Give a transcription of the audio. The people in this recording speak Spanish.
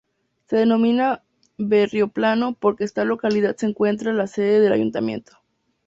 Se denomina Berrioplano porque esta localidad se encuentra la sede del ayuntamiento.